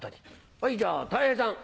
はいじゃあたい平さん。